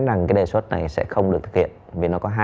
đề xuất này sẽ không được thực hiện vì nó có hai